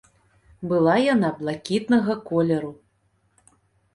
Была яна блакітнага колеру.